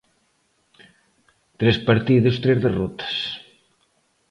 Tres partidos, tres derrotas.